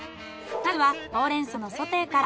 まずはほうれん草のソテーから。